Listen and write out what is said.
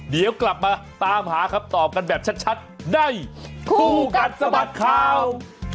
เดี๋ยวกลับมาตามหาคำตอบกันแบบชัดในคู่กัดสะบัดข่าว